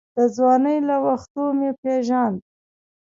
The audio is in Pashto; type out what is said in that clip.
د ځوانۍ له وختو مې پېژاند.